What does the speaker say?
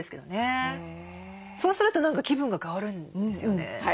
そうすると何か気分が変わるんですよね。